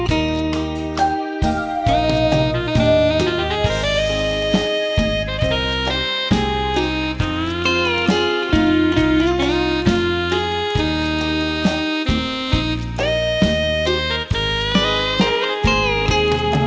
เท่าไหร่